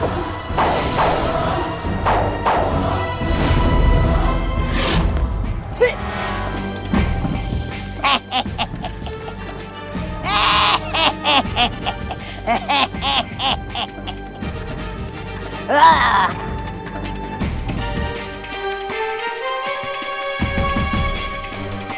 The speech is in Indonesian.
aku akan menangkanmu